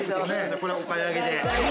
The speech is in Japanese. ◆これをお買い上げで？